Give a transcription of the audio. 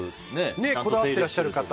こだわってらっしゃる方。